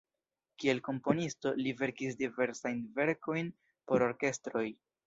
Kiel komponisto li verkis diversajn verkojn por orkestroj.